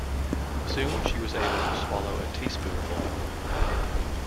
Soon she was able to swallow a teaspoonful.